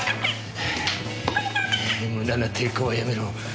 無駄な抵抗はやめろ。